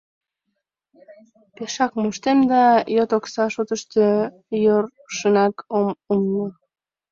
— Пешак моштем да... йот окса шотышто йӧршынак ом умыло...